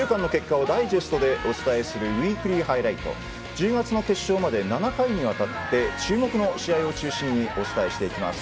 １０月の決勝まで７回にわたって注目の試合を中心にお伝えしていきます。